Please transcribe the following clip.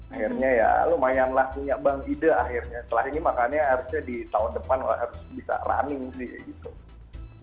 akhirnya ya lumayanlah punya bank ide akhirnya setelah ini makanya harusnya di tahun depan harus bisa running sih kayak gitu